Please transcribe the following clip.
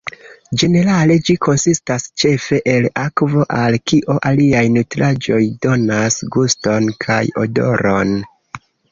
Ĝenerale ĝi konsistas ĉefe el akvo, al kio aliaj nutraĵoj donas guston kaj odoron.